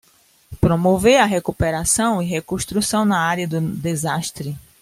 Promover a recuperação e reconstrução na área do desastre